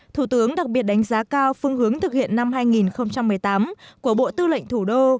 thủ tướng đặc biệt đánh giá cao phương hướng thực hiện năm hai nghìn một mươi tám của bộ tư lệnh thủ đô